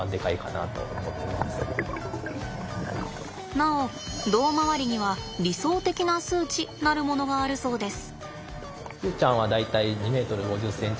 なお胴回りには理想的な数値なるものがあるそうです。